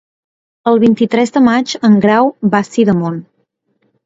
El vint-i-tres de maig en Grau va a Sidamon.